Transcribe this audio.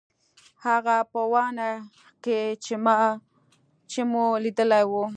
هغه په واڼه کښې چې مو ليدلي وو.